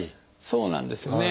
そうなんですよね。